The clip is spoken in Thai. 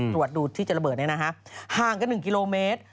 ตรวจดูที่จะระเบิดนี้นะฮะห่างกัน๑กิโลเมตร